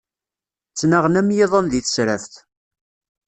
Ttnaɣen am yiḍan di tesraft.